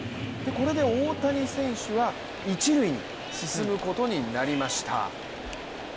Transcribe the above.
これで大谷選手は一塁に進むことになりました。